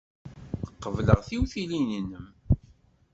Qebleɣ tiwtilin-nnem.